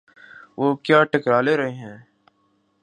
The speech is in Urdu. وہ کیا ٹکر لے رہے ہیں؟